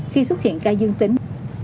khi xuất hiện ca dương tính